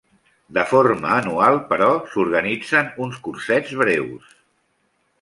De forma anual, però, s’organitzen uns cursets breus.